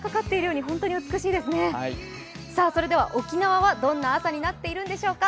沖縄はどんな朝になっているんでしょうか。